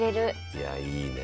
いやいいね。